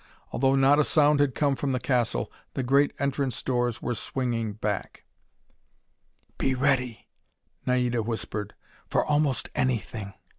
Although not a sound had come from the castle, the great entrance doors were swinging back. "Be ready," Naida whispered, "for almost anything.